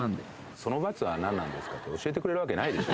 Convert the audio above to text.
その罰は何なんですかって、教えてくれるわけないでしょ。